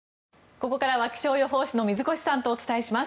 ここからは気象予報士の水越さんとお伝えします。